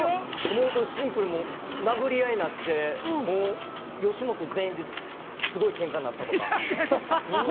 シンプルに殴り合いになって、よしもと全員ですごいケンカになったとか。